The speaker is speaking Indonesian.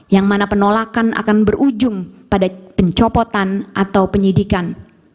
yang mana penolakan akan berujung pada pencopotan atau penyidikan